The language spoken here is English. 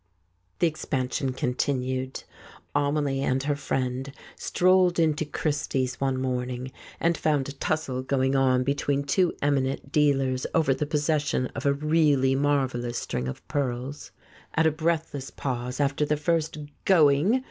The expansion continued. Amelie and her friend strolled into Christie's one morning, and found a tussle going on between two eminent dealers over the possession of a really marvellous string of pearls. At a breathless pause, after the first "Going!"